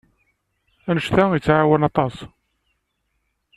Anect-a yettɛawan aṭas.